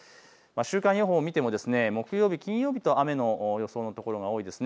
週間予報を見ても木曜日、金曜日と雨の予想の所が多いです。